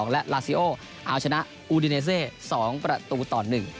และลาซิโอเอาชนะอูดิเนเซ๒ประตูต่อ๑